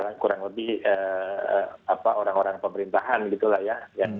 orang orang yang lebih apa orang orang pemerintahan gitu lah ya